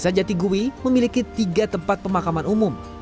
desa jatigui memiliki tiga tempat pemakaman umum